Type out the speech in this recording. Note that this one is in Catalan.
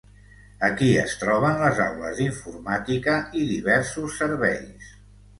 Aquí es troben les aules d'informàtica i diversos serveis.